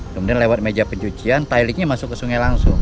kemudian lewat meja pencucian tilingnya masuk ke sungai langsung